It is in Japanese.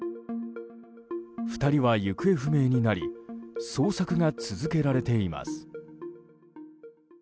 ２人は行方不明になり捜査が続けられています。